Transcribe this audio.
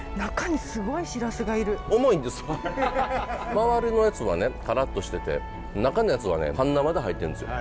周りのやつはねカラッとしてて中のやつはね半生で入ってるんですよ。